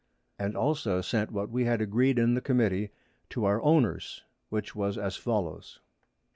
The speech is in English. And also sent what we had agreed in the Committee to our Owners, which was as follows.